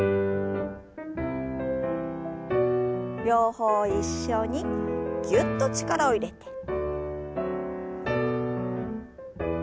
両方一緒にぎゅっと力を入れて。